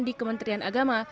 di kementerian agama